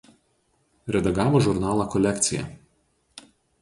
Redagavo žurnalą „Kolekcija“.